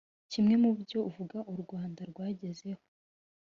Kimwe mu byo avuga u Rwanda rwagezeho